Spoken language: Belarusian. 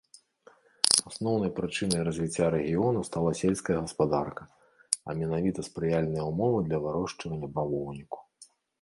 Асноўнай прычынай развіцця рэгіёну стала сельская гаспадарка, а менавіта спрыяльныя ўмовы для вырошчвання бавоўніку.